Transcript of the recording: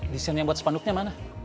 desain yang buat sepanduknya mana